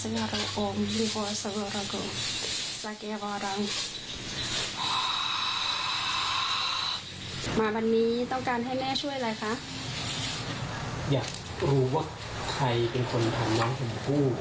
มาดูว่าใครเป็นคนทำน้องชมพู่